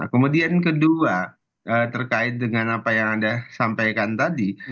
kemudian kedua terkait dengan apa yang anda sampaikan tadi